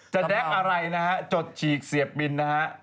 แก๊กอะไรนะฮะจดฉีกเสียบบินนะฮะ